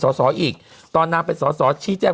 มันติดคุกออกไปออกมาได้สองเดือน